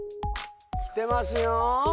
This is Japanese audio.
来てますよ。